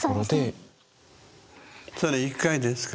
それ１回ですか？